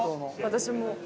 私も。